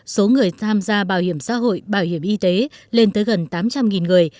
số người tham gia bảo hiểm xã hội bảo hiểm y tế lên tới gần tám trăm linh người